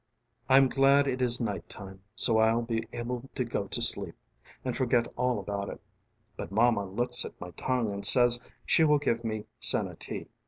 :: ┬Ā┬ĀI'm glad it is night time ┬Ā┬Āso I'll be able to go to sleep ┬Ā┬Āand forget all about itŌĆ". ┬Ā┬ĀBut mama looks at my tongue ┬Ā┬Āand says she will give me senna tea.